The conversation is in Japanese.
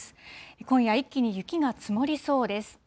今夜、一気に雪が積もりそうです。